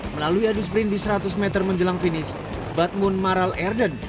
melalui adu sprint di seratus meter menjelang finish batmuk marel erden